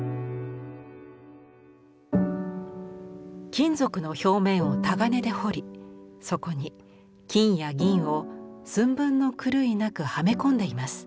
金属の表面を鏨で彫りそこに金や銀を寸分の狂いなくはめ込んでいます。